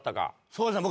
そうですね